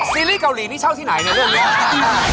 ซีรีส์เกาหลีนี่เช่าที่ไหนในเรื่องนี้